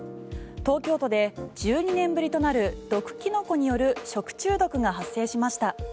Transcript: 東京都で１２年ぶりとなる毒キノコによる食中毒が発生しました。